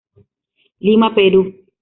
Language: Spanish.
Lima, Perú.